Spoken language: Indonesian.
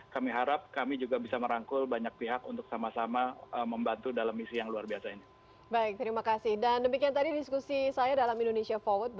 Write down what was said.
kami harap kami juga bisa merangkul banyak pihak untuk sama sama membantu dalam misi yang luar biasa ini